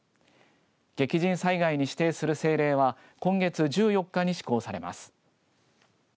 激甚災害に指定する政令は今月１４日に施行されます。